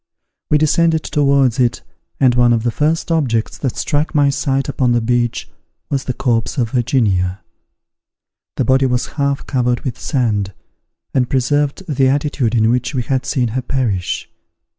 We descended towards it and one of the first objects that struck my sight upon the beach was the corpse of Virginia. The body was half covered with sand, and preserved the attitude in which we had seen her perish.